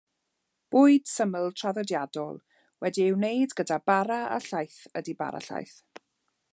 Bwyd syml, traddodiadol wedi'i wneud gyda bara a llaeth ydy bara llaeth.